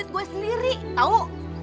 gue sendiri tau